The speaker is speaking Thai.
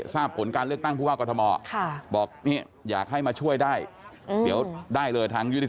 ไปงานดนตรีในสวนที่สวนรถไฟ